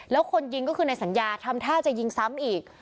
แล้วคนยิงก็คือในสัญญาทำท่าจะยิงซ้ำอีก